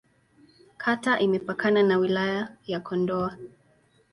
Kata imepakana na Wilaya ya Kondoa.